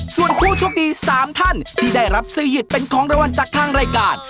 ส่วนผู้โชคดี๓ท่านที่ได้รับซื้อยิตเป็นของรางวัลจากทางรายการ